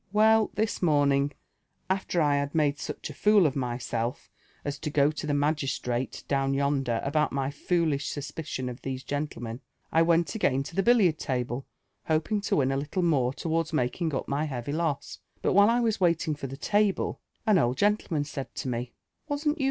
Well, this morning, after I had made such a foul JONATHAN JEFFB9S0N WHlTh^W. m of myielf as to go to the magistrate, down yonder, about my fooljab suspicion of these genltefnen, I went again to Ihe biiliard table, hjopjr^g to win a little more towards mai&iog up tny heavy |0$s ; but while I was waiting for the table, an old gentleman said to me *' Wasn't yvj#.